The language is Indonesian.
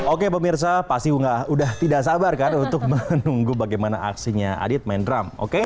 oke pemirsa pasti udah tidak sabar kan untuk menunggu bagaimana aksinya adit main drum oke